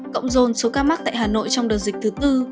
cộng dồn số ca mắc tại hà nội trong đợt dịch thứ tư